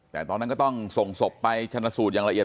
แต่ตอนนั้นก็ต้องส่งศพไปชนะสูตรอย่างละเอียด